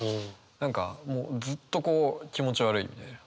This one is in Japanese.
何かもうずっとこう気持ち悪いみたいな。